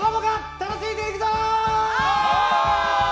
楽しんでいくぞ！